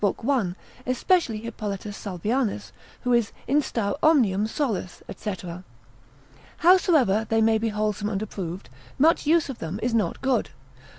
1, especially Hippolitus Salvianus, who is instar omnium solus, &c. Howsoever they may be wholesome and approved, much use of them is not good; P.